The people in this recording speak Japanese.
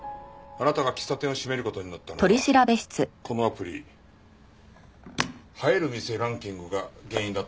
あなたが喫茶店を閉める事になったのはこのアプリ「映える店ランキング」が原因だったのでは。